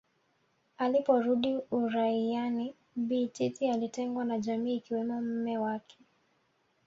Aliporudi uraiani Bibi Titi alitengwa na jamii ikiwemo mme wake